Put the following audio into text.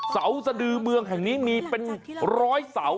เสาสดือเมืองแห่งนี้มีเป็นร้อยเสา